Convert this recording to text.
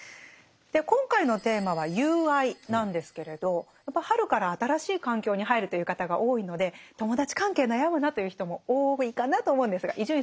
今回のテーマは「友愛」なんですけれどやっぱ春から新しい環境に入るという方が多いので友達関係悩むなという人も多いかなと思うんですが伊集院さんどうですか？